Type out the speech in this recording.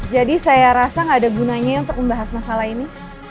jadi saya rasa gak ada gunanya untuk membahas masalah ini